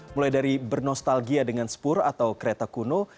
mulai dari bernostalgia dengan spur atau kereta kuno